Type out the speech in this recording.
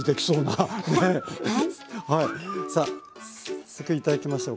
早速頂きましょう。